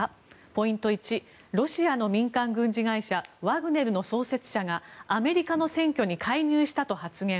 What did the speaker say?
ポイント１ロシアの民間軍事会社ワグネルの創設者がアメリカの選挙に介入したと発言。